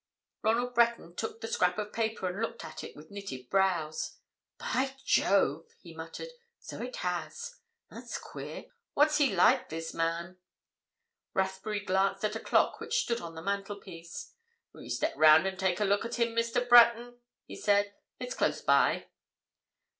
Ronald Breton took the scrap of paper and looked at it with knitted brows. "By Jove!" he muttered. "So it has; that's queer. What's he like, this man?" Rathbury glanced at a clock which stood on the mantelpiece. "Will you step round and take a look at him, Mr. Breton?" he said. "It's close by."